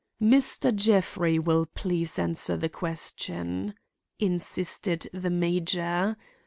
"Mr. Jeffrey will please answer the question," insisted the major.